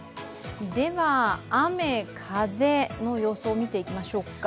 では雨、風の予想を見ていきましょうか。